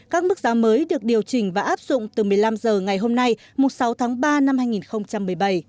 các mức giá mới được điều chỉnh và áp dụng từ một mươi năm h ngày hôm nay sáu tháng ba năm hai nghìn một mươi bảy